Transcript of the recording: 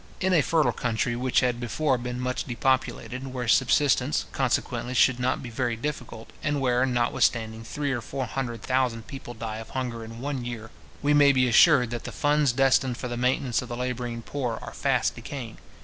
In a fertile country, which had before been much depopulated, where subsistence, consequently, should not be very difficult, and where, notwithstanding, three or four hundred thousand people die of hunger in one year, we may be assured that the funds destined for the maintenance of the labouring poor are fast decaying.